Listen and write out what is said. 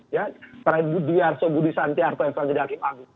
ya dwi arso budi santiarto yang selanjutnya hakim agung